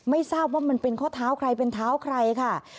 ไม่ทราบว่ามันเป็นข้อเท้าใครเป็นเท้าใครค่ะ